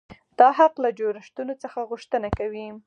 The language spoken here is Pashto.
دا حق له جوړښتونو څخه غوښتنه کوي.